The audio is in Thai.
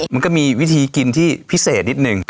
มันก็มีวิธีกินที่พิเศษนิดนึง